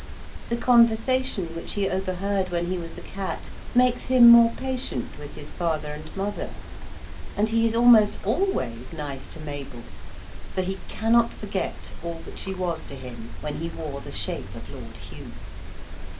The conversation which he overheard when he was a cat makes him more patient with his father and mother. And he is almost always nice to Mabel, for he cannot forget all that she was to him when he wore the shape of Lord Hugh.